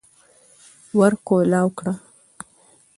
ور کولاو کړه